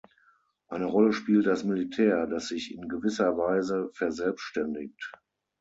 Eine Rolle spielt das Militär, das sich in gewisser Weise verselbständigt.